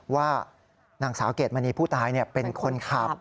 ว่านางสาวเกดมณีผู้ตายเป็นคนขับ